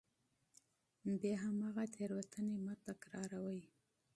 بیا هماغه تېروتنې مه تکراروئ.